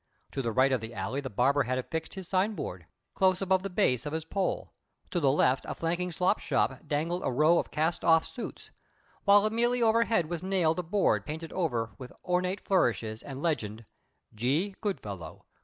To the right of the alley the barber had affixed his signboard, close above the base of his pole; to the left a flanking slopshop dangled a row of cast off suits, while immediately overhead was nailed a board painted over with ornate flourishes and the legend "G. Goodfellow.